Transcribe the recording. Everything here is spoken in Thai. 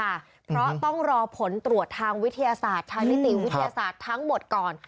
เพราะต้องรอผลตรวจทางวิทยาศาสตร์ทางนิติวิทยาศาสตร์ทั้งหมดก่อน